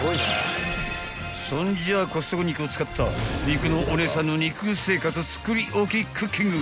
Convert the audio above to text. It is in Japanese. ［そんじゃあコストコ肉を使った肉のお姉さんの肉生活作り置きクッキング！］